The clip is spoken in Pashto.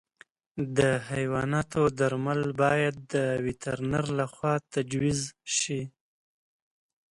د حیواناتو درمل باید د وترنر له خوا تجویز شي.